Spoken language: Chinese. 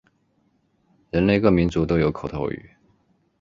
人类各民族都有口头语。